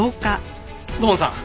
土門さん